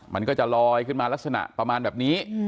มันก็จะลอยขึ้นมาลักษณะประมาณแบบนี้